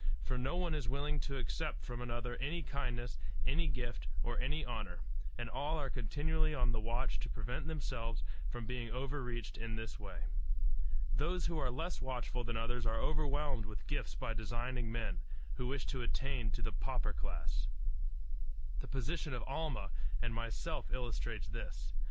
For no one is willing to accept from another any kindness, any gift, or any honor, and all are continually on the watch to prevent themselves from being overreached in this way. Those who are less watchful than others are overwhelmed with gifts by designing men, who wish to attain to the pauper class. The position of Almah and myself illustrates this.